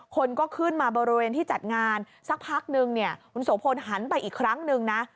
คนก็ขึ้นมาบริเวณที่จัดงานสักพักนึงเนี่ยคุณโสพลหันไปอีกครั้งหนึ่งนะ